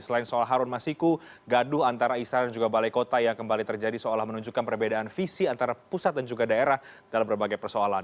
selain soal harun masiku gaduh antara istana dan juga balai kota yang kembali terjadi seolah menunjukkan perbedaan visi antara pusat dan juga daerah dalam berbagai persoalan